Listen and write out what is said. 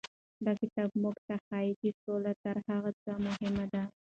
دا کتاب موږ ته ښيي چې سوله تر هر څه مهمه ده.